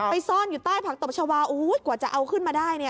ซ่อนอยู่ใต้ผักตบชาวากว่าจะเอาขึ้นมาได้เนี่ย